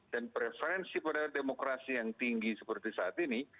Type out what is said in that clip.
dan preferensi terhadap demokrasi yang tinggi seperti saat ini